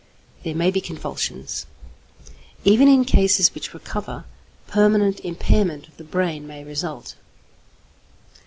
There may be convulsions. Even in cases which recover, permanent impairment of the brain may result.